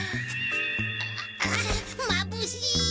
ああまぶしい！